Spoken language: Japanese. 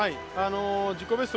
自己ベスト